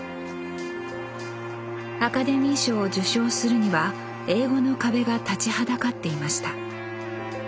アカデミー賞を受賞するには英語の壁が立ちはだかっていました